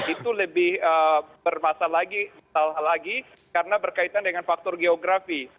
itu lebih bermasalah lagi karena berkaitan dengan faktor geografi